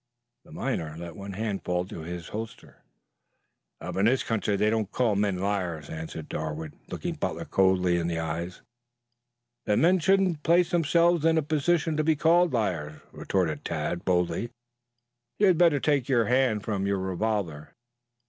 The miner let one hand fall to his holster. "Up in this country they don't call men liars," answered Darwood, looking Butler coldly in the eyes. "Then men shouldn't place themselves in a position to be called liars," retorted Tad boldly. "You had better take your hand from your revolver.